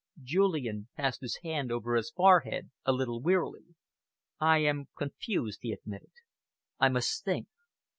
Julian passed his hand over his forehead a little wearily. "I am confused," he admitted. "I must think.